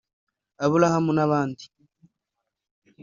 Abulahamu n’abandi